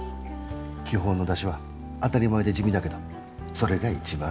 基本の出汁は当たり前で地味だけどそれが一番大事。